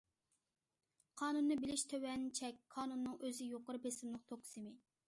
قانۇننى بىلىش تۆۋەن چەك، قانۇننىڭ ئۆزى يۇقىرى بېسىملىق توك سىمى.